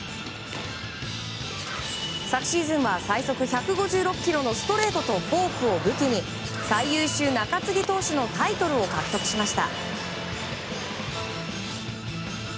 昨シーズンは最速１５６キロのストレートとフォークを武器に最優秀中継ぎ投手のタイトルを獲得しました。